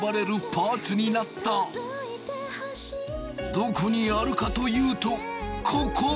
どこにあるかというとここ！